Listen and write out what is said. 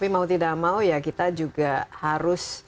tapi mau tidak mau ya kita juga harus